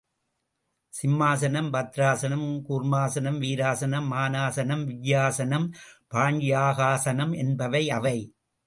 சிம்மாசனம், பத்ராசனம், கூர்மாசனம், வீராசனம், மனாசனம், விஜயாசனம், பாண்யாகாசனம் என்பவை அவை.